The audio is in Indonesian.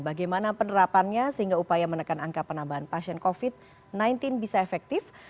bagaimana penerapannya sehingga upaya menekan angka penambahan pasien covid sembilan belas bisa efektif